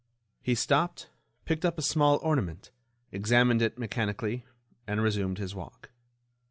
He stopped, picked up a small ornament, examined it mechanically, and resumed his walk.